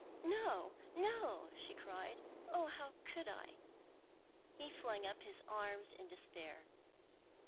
"No, no," she cried. "Oh, how could I!" He flung up his arms in despair.